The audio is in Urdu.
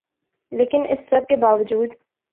لیکن اس سب کے باوجود